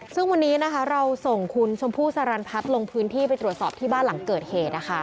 ซึ่งวันนี้นะคะเราส่งคุณชมพู่สรรพัฒน์ลงพื้นที่ไปตรวจสอบที่บ้านหลังเกิดเหตุ